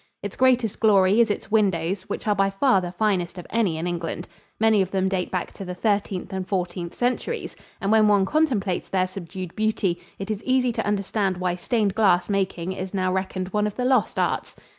Its greatest glory is its windows, which are by far the finest of any in England. Many of them date back to the Thirteenth and Fourteenth Centuries, and when one contemplates their subdued beauty it is easy to understand why stained glass making is now reckoned one of the lost arts.